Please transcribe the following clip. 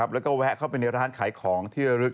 แล้วก็แวะเลยไปร้านขายของที่อรึก